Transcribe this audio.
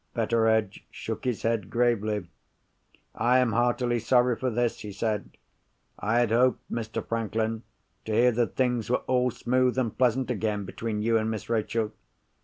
Betteredge shook his head gravely. "I am heartily sorry for this," he said. "I had hoped, Mr. Franklin, to hear that things were all smooth and pleasant again between you and Miss Rachel.